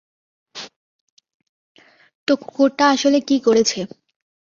তো কুকুরটা আসলে কি করেছে?